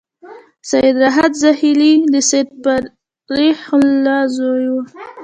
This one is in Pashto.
سید راحت زاخيلي د سید فریح الله زوی و.